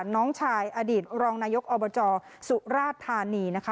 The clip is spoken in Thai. น้องชายอดีตรองนายกอบจสุราธานีนะคะ